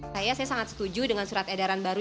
saya sangat setuju dengan surat edaran baru